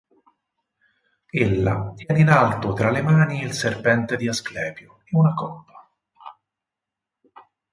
Ella tiene in alto tra le mani il serpente di Asclepio e una coppa.